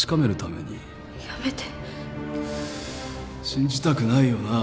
信じたくないよな。